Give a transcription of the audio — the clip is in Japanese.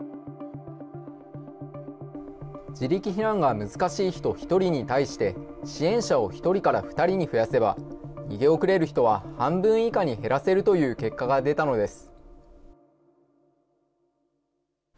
自力避難が難しい人１人に対して、支援者を１人から２人に増やせば、逃げ遅れる人は半分以下に減らせるという結果が出たのです。